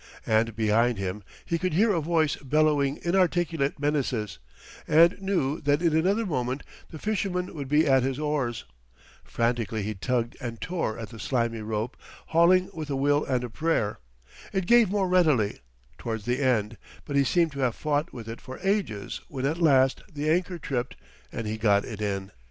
And behind him he could hear a voice bellowing inarticulate menaces, and knew that in another moment the fisherman would be at his oars. Frantically he tugged and tore at the slimy rope, hauling with a will and a prayer. It gave more readily, towards the end, but he seemed to have fought with it for ages when at last the anchor tripped and he got it in.